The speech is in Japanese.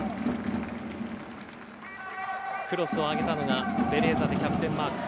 クロスを上げたのがベレーザでキャプテンマーク